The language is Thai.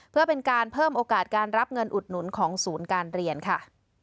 เพื่อเป็นการเพิ่มโอกาสการรับเงินอุดหนุนของศูนย์การเรียนค่ะ